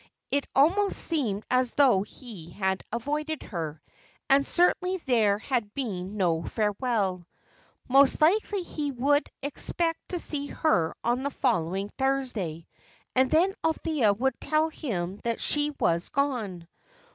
It almost seemed as though he had avoided her, and certainly there had been no farewell. Most likely he would expect to see her on the following Thursday, and then Althea would tell him that she was gone.